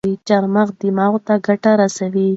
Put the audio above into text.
چارمغز دماغ ته ګټه رسوي.